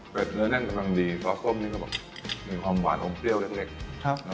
ปริชอันเต็มกำลังดีซอสส้มมีความหวานโอ้มเกรี้ยวนิคเย็ด